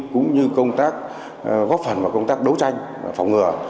cũng như công tác góp phần vào công tác đấu tranh phòng ngừa